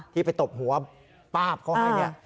ที่ไปตบหัวป้าบเขา